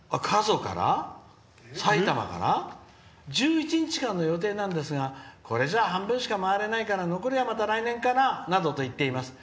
１１日間の予定なんですがこれじゃあ半分しか回れないから残りはまた来年かなと言っています。